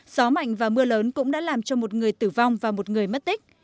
gió mạnh và mưa lớn cũng đã làm cho một người tử vong và một người mất tích